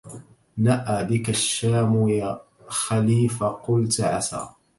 نأى بك الشام يا خلي فقلت عسى